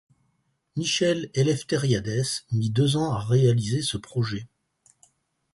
Michel Éléftériadès mit deux ans à réaliser ce projet.